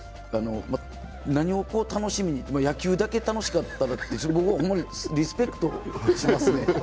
何を楽しみに、野球だけ楽しかったら僕、リスペクトしてますね。